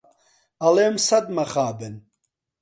ئەڵێم سەد مخابن